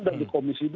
dan di komisi dua